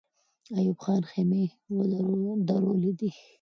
ایوب خان خېمې درولې وې.